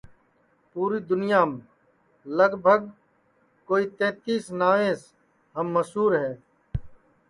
پوری دُنیام تقریباً کوئی تینتیس ناویس ہم مشور ہے